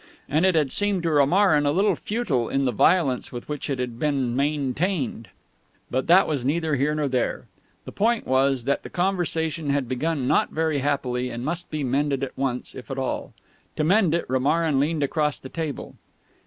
And it had seemed to Romarin a little futile in the violence with which it had been maintained ... But that was neither here nor there. The point was, that the conversation had begun not very happily, and must be mended at once if at all. To mend it, Romarin leaned across the table.